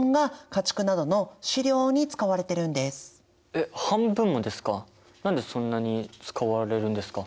えっ半分もですか？